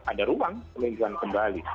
ada ruang peninjauan kembali